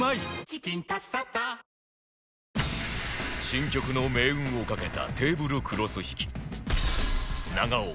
新曲の命運を懸けたテーブルクロス引き